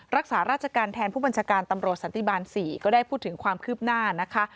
รักษาราชการแทนผู้บัญชาการตำรวจสันติบาล๔ก็ได้พูดถึงความคืบหน้านะคะ